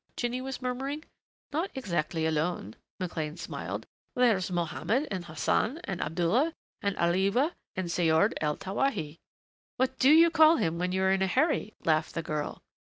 Jinny was murmuring. "Not exactly alone." McLean smiled. "There's Mohammed and Hassan and Abdullah and Alewa and Saord el Tawahi " "What do you call him when you are in a hurry?" laughed the girl.